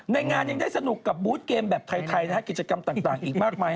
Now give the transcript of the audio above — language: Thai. งานยังได้สนุกกับบูธเกมแบบไทยนะฮะกิจกรรมต่างอีกมากมาย